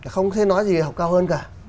không thể nói gì học cao hơn cả